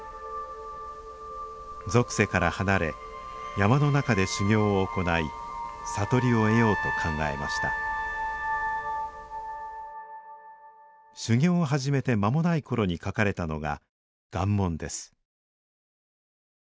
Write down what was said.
俗世から離れ山の中で修行を行い悟りを得ようと考えました修行を始めて間もない頃に書かれたのが「願文」です